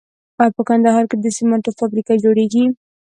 آیا په کندهار کې د سمنټو فابریکه جوړیږي؟